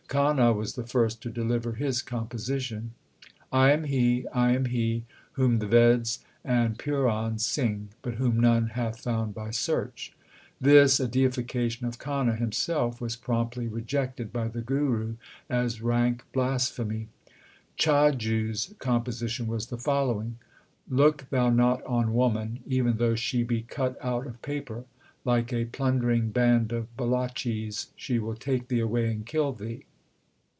Kahna was the first to deliver his composition I am He, I am He Whom the Veds and Purans sing, but whom none hath found by search. This, a deification of Kahna himself, was promptly rejected by the Guru as rank blasphemy. Chhajju s composition was the following : Look thou not on woman, even though she be cut out of paper ; Like a plundering band of Baloches she will take thee away and kill thee.